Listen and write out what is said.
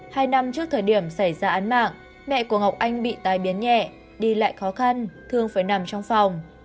hai năm trước thời điểm xảy ra án mạng mẹ của ngọc anh bị tai biến nhẹ đi lại khó khăn thường phải nằm trong phòng